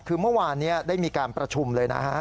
คือเมื่อวานนี้ได้มีการประชุมเลยนะฮะ